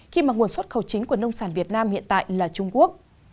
khi mà nguồn xuất khẩu chính của nông sản việt nam hiện tại là trung quốc